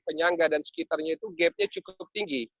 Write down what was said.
penyangga dan sekitarnya itu gap nya cukup tinggi